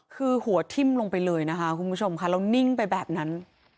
คือหัวทิ้มลงไปเลยนะคะคุณผู้ชมค่ะแล้วนิ่งไปแบบนั้น